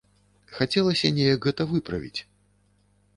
Хацелася неяк гэта выправіць.